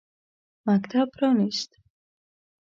مکتب پرانیست.